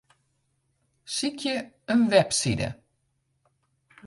Sykje in website.